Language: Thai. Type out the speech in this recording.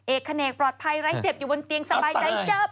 แขนกปลอดภัยไร้เจ็บอยู่บนเตียงสบายใจเจิบ